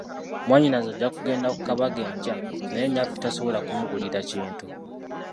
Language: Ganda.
Mwannyinaze ajja kugenda ku kabaga enkya, naye nnyaffe tasobola kumugulira kintu.